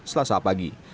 setelah saat pagi